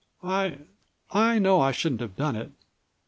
"I—I know I shouldn't have done it.